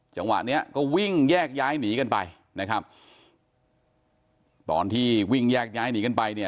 จังหวะเนี้ยก็วิ่งแยกย้ายหนีกันไปนะครับตอนที่วิ่งแยกย้ายหนีกันไปเนี่ย